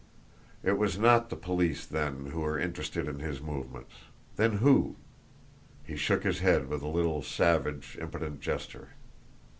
It was not the police, then, who were interested in his movements! Then who? He shook his head with a little, savage, impotent gesture.